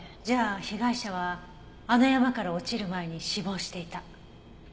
じゃあ被害者はあの山から落ちる前に死亡していた。